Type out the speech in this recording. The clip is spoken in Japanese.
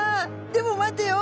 でも待てよ。